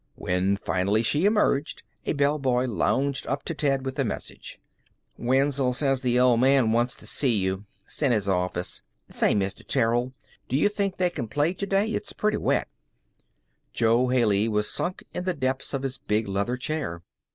When finally she emerged a bellboy lounged up to Ted with a message. "Wenzel says th' Old Man wants t' see you. 'S in his office. Say, Mr. Terrill, do yuh think they can play to day? It's pretty wet." Jo Haley was sunk in the depths of his big leather chair.